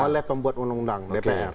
oleh pembuat undang undang dpr